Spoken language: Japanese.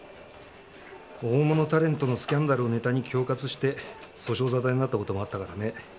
大物タレントのスキャンダルをネタに恐喝して訴訟沙汰になったこともあったからね。